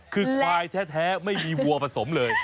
คือควายแท้ไม่มีวัวผสมเลย